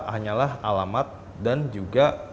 hanyalah alamat dan juga